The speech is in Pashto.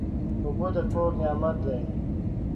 اوبه د کور نعمت دی.